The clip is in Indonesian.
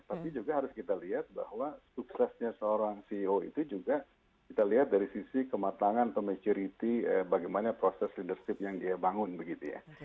tapi juga harus kita lihat bahwa suksesnya seorang ceo itu juga kita lihat dari sisi kematangan atau majority bagaimana proses leadership yang dia bangun begitu ya